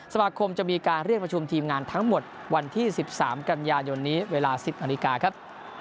สมาคมจะมีการเรียกประชุมทีมงานทั้งหมดวันที่๑๓กันยายนนี้เวลา๑๐นาฬิกาครับ